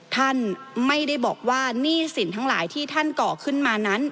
ท่านไม่ได้บอกว่าหนี้สินทั้งหลายที่ท่านก่อขึ้นมานั้น